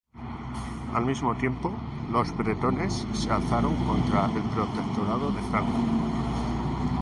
Al mismo tiempo, los bretones se alzaron contra el protectorado franco.